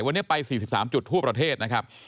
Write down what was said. วันนี้ไป๔๓จุดทั่วประเทศนะครับ